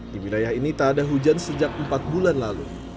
di wilayah ini tak ada hujan sejak empat bulan lalu